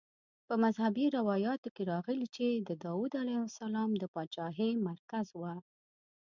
په مذهبي روایاتو کې راغلي چې د داود علیه السلام د پاچاهۍ مرکز وه.